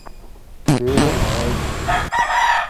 Que remédio!